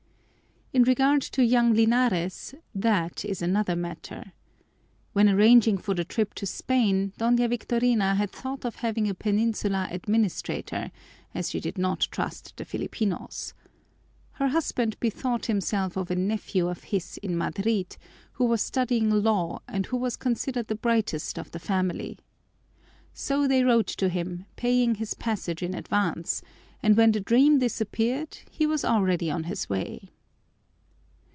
In regard to young Linares, that is another matter. When arranging for the trip to Spain, Doña Victorina had thought of having a Peninsular administrator, as she did not trust the Filipinos. Her husband bethought himself of a nephew of his in Madrid who was studying law and who was considered the brightest of the family. So they wrote to him, paying his passage in advance, and when the dream disappeared he was already on his way.